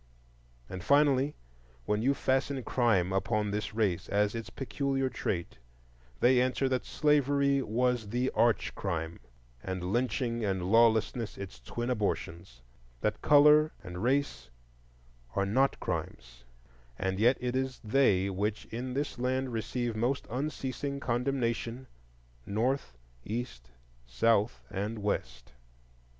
And finally, when you fasten crime upon this race as its peculiar trait, they answer that slavery was the arch crime, and lynching and lawlessness its twin abortions; that color and race are not crimes, and yet it is they which in this land receive most unceasing condemnation, North, East, South, and West.